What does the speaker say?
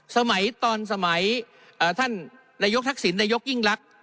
สมัยตอนสมัยท่านนายกทักษิณนายกยิ่งรัก